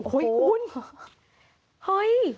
คุณเห้ย